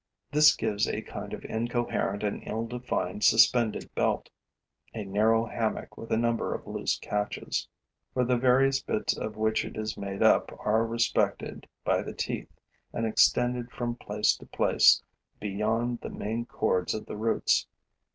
This gives a kind of incoherent and ill defined suspended belt, a narrow hammock with a number of loose catches; for the various bits of which it is made up are respected by the teeth and extended from place to place beyond the main cords of the roots.